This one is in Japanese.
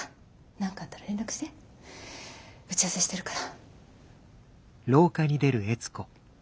何かあったら連絡して打ち合わせしてるから。